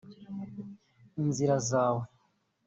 Inzira zawe